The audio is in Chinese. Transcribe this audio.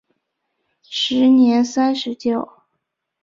时年三十九。